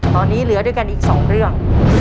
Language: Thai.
ตอนนี้เหลือด้วยกันอีก๒เรื่อง